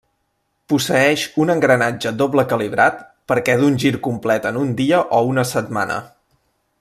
Posseïx un engranatge doble calibrat perquè d'un gir complet en un dia o una setmana.